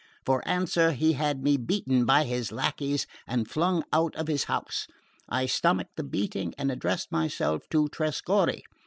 For answer, he had me beaten by his lacqueys and flung out of his house. I stomached the beating and addressed myself to Trescorre.